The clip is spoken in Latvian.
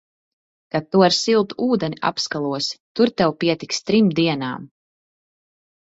Kad tu ar siltu ūdeni apskalosi, tur tev pietiks trim dienām.